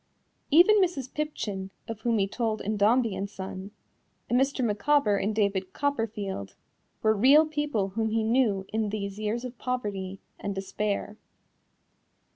Even Mrs. Pipchin, of whom he told in Dombey and Son, and Mr. Micawber in David Copperfield, were real people whom he knew in these years of poverty and despair.